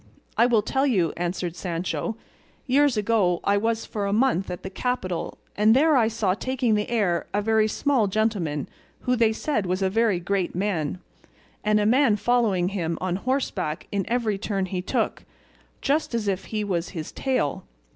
"I will tell you," answered Sancho. "Years ago I was for a month at the capital and there I saw taking the air a very small gentleman who they said was a very great man, and a man following him on horseback in every turn he took, just as if he was his tail.